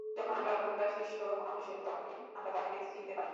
যখন আমরা প্রত্যাদিষ্ট মহাপুরুষ হইব, তখনই আমরা তাঁহাকে চিনিতে পারিব।